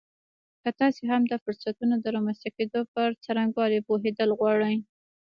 که تاسې هم د فرصتونو د رامنځته کېدو پر څرنګوالي پوهېدل غواړئ